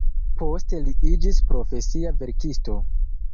Poste li iĝis profesia verkisto.